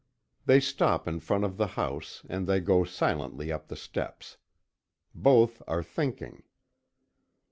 They stop in front of the house, and they go silently up the steps. Both are thinking.